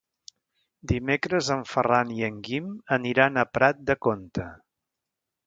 Dimecres en Ferran i en Guim aniran a Prat de Comte.